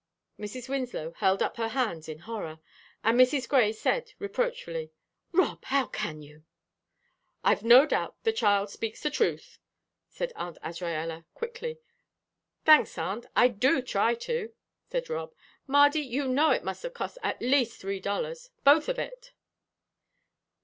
Mrs. Winslow held up her hands in horror, and Mrs. Grey said, reproachfully: "Rob, how can you?" "I've no doubt the child speaks the truth," said Aunt Azraella, quickly. "Thanks, aunt; I do try to," said Rob. "Mardy, you know it must have cost at least three dollars both of it."